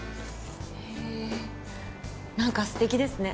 へえなんかすてきですね。